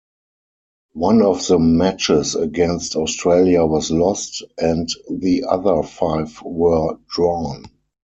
One of the matches against Australia was lost, and the other five were drawn.